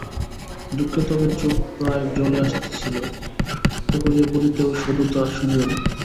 দুঃখে তাব চোখে প্রায় জল আসিতেছিল-এত করিয়া বলিতেও সতুদা শুনিল না!